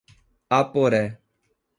Aporé